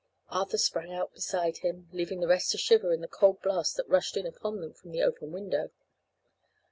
Arthur sprang out beside him, leaving the rest to shiver in the cold blast that rushed in upon them from the open window.